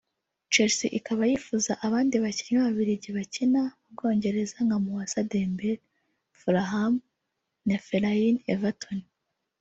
Chelsea ikaba yifuza abandi bakinnyi b’Ababiligi bakina mu Bwongereza nka Mousa Dembele (Fulham) na Fellaini (Everton)